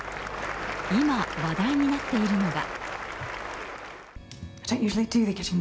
今、話題になっているのが。